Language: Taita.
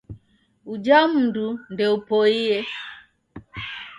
Uja mundu ndeupoie